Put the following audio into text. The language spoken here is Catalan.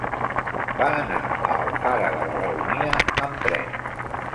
Va anar a Alfara de la Baronia amb tren.